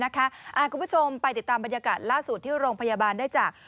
คุณผู้ชมไปติดตามบรรยากาศล่าสุดที่โรงพยาบาลได้จาก